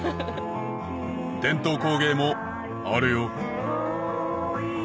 伝統工芸もあるよ！